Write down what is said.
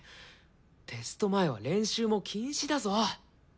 テスト前は練習も禁止だぞ。